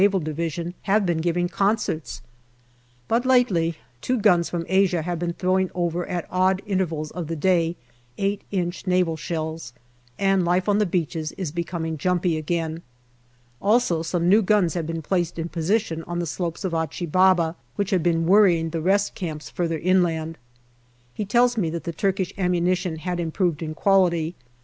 D. have been giving concerts. But lately two guns from Asia have been throw ing over at odd intervals of the day 8 inch Naval shells, and life on the beaches is becoming jumpy again. Also some new guns have been placed in position on the slopes of Achi Baba, which have been worrying the rest camps further inland. He tells me that the Turkish ammunition had improved in quality.